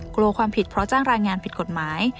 กลัวความผิดเพราะจ้างรายงานผิดกฎหมาย